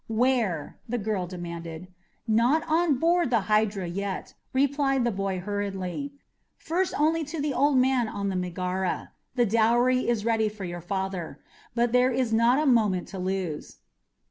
'" "Where?" the girl demanded. "Not on board the Hydra yet," replied the boy hurriedly. "First only to the old man on the Megara. The dowry is ready for your father. But there is not a moment to lose."